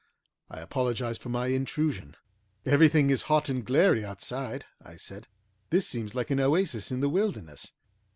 I apologised for my intrusion. "Everything is hot and glary outside," I said. "This seems an oasis in the wilderness."